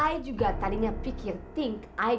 i juga tadinya pikir pikir